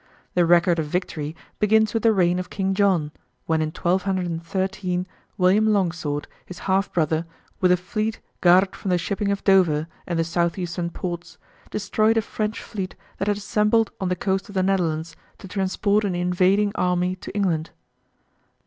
The record of victory begins with the reign of King John, when in 1213 William Longsword, his half brother, with a fleet gathered from the shipping of Dover and the south eastern ports, destroyed a French fleet that had assembled on the coast of the Netherlands to transport an invading army to England.